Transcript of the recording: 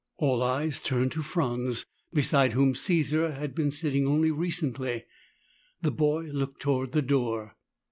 All eyes turned to Franz, beside whom Caesar had been sitting only recently. The boy looked toward the door.